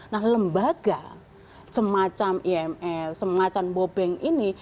nah lembaga semacam imf semacam bobeng ini